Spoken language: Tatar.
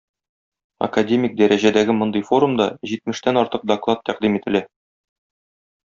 Академик дәрәҗәдәге мондый форумда җитмештән артык доклад тәкъдим ителә.